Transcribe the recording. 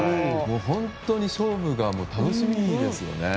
本当に勝負が楽しみですよね。